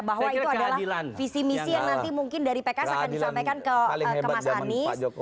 bahwa itu adalah visi misi yang nanti mungkin dari pks akan disampaikan ke mas anies